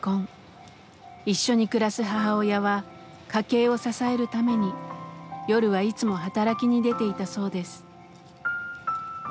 一緒に暮らす母親は家計を支えるために夜はいつも働きに出ていたそうです。